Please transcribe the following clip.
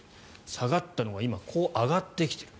下がったのが今、こう上がってきている。